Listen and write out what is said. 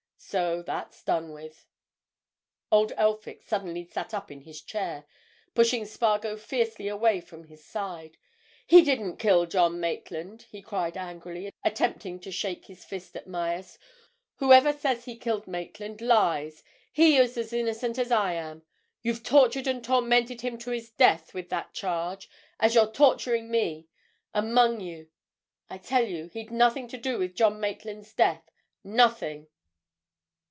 So that's done with!" Old Elphick suddenly sat up in his chair, pushing Spargo fiercely away from his side. "He didn't kill John Maitland!" he cried angrily, attempting to shake his fist at Myerst. "Whoever says he killed Maitland lies. He was as innocent as I am. You've tortured and tormented him to his death with that charge, as you're torturing me—among you. I tell you he'd nothing to do with John Maitland's death—nothing!"